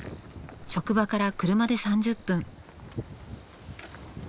職場から車で３０分。